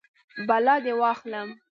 بلا دې واخلم.